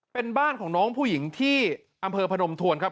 เป็นบ้านของน้องผู้หญิงที่อำเภอพนมทวนครับ